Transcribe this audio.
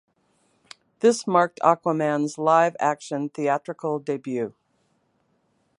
This marked Aquaman's live action theatrical debut.